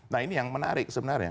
nah ini yang menarik sebenarnya